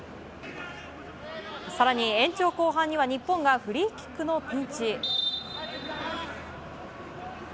更に延長後半には日本がフリーキックのピンチ。